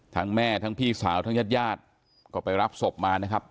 แม่ทั้งพี่สาวทั้งญาติญาติก็ไปรับศพมานะครับ